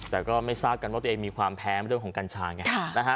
แต่ก็ไม่ทราบกันว่าตัวเองมีความแพ้มาด้วยของกัญชาไง